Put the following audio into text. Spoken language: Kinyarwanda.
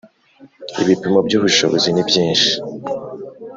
Ibipimo by’ ubushobozi nibyishi.